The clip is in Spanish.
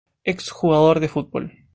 Ex-jugador de fútbol.